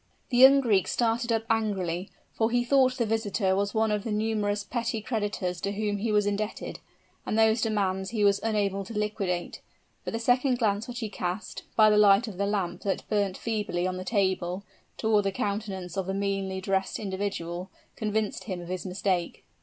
The young Greek started up angrily, for he thought the visitor was one of the numerous petty creditors to whom he was indebted, and whose demands he was unable to liquidate; but the second glance which he cast, by the light of the lamp that burnt feebly on the table, toward the countenance of the meanly dressed individual, convinced him of his mistake.